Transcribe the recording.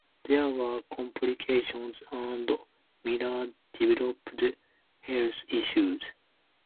There were complications and Miller developed health issues.